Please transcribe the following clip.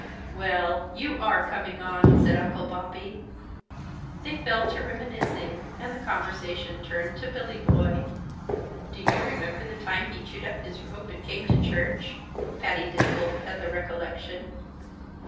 "Well! You are coming on!" said Uncle Bobby. They fell to reminiscing, and the conversation turned to Billy Boy. "Do you remember the time he chewed up his rope and came to church?" Patty dimpled at the recollection.